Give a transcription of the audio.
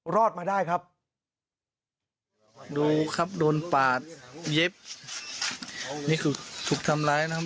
รอดมาได้ครับดูครับโดนปาดเย็บนี่คือถูกทำร้ายนะครับ